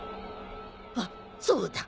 あっそうだ。